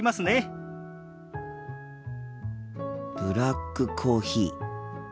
心の声ブラックコーヒー。